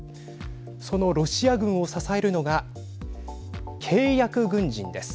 そのロシア軍を支えるのが契約軍人です。